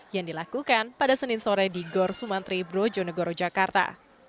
yang dilakukan pada senin sore di gor sumantri brojonegoro jakarta